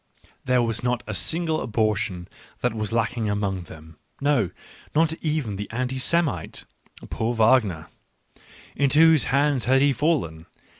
There was not a single abortion that was lacking among them — no, not even the anti Semite. — Poor Wagner ! Into whose hands had he fallen